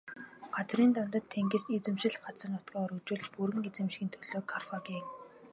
Газрын дундад тэнгист эзэмшил газар нутгаа өргөжүүлж бүрэн эзэмшихийн төлөө Карфаген.